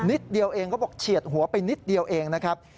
นิดเดียวเองเขาบอกเฉียดหัวไปนิดเดียวเองนะครับ